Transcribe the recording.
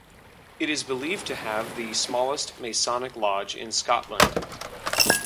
It is believed to have the smallest Masonic Lodge in Scotland.